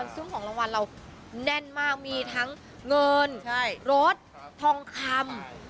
ซึ่งของรางวัลเราแน่นมากมีทั้งเงินรถทองคำ